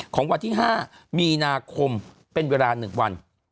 ของวันที่๕มีนาคมเป็นเวลา๑วัน